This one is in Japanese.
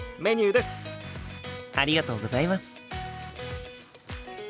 ありがとうございます。